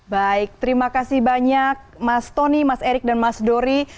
baik terima kasih banyak mas tony mas erick dan mas dori